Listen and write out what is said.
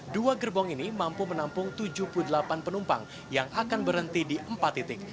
dua gerbong ini mampu menampung tujuh puluh delapan penumpang yang akan berhenti di empat titik